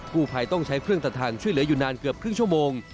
ผู้ภัยต้องใช้เครื่องตัดทางช่วยเหลืออยู่นานเกือบครึ่งชั่วโมง